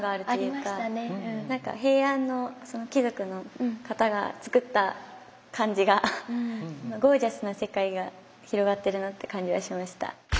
何か平安の貴族の方がつくった感じがゴージャスな世界が広がってるなって感じはしました。